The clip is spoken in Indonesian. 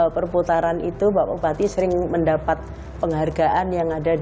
perputaran itu bapak bupati sering mendapat penghargaan yang ada di